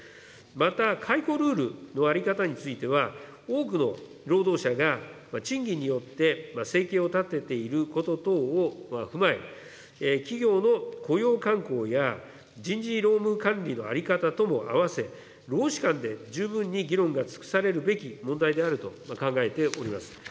また、解雇ルールの在り方については、多くの労働者が賃金によって生計を立てていること等を踏まえ、企業の雇用慣行や、人事労務管理の在り方とも併せ、労使間で十分に議論が尽くされるべき問題であると考えております。